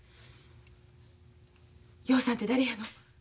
陽さんて誰やの？